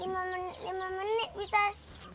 lima menit bisa